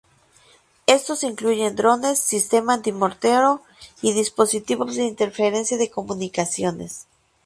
Estos incluyen drones, sistemas anti-mortero y dispositivos de interferencia de comunicaciones.